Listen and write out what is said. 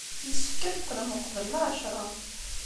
Yessefk ad d-teqqlem uqbel lɛecṛa.